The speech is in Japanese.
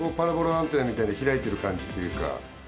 アンテナみたいなの開いてる感じっていうか。